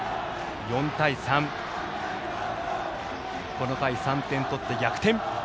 この回、３点取って逆転。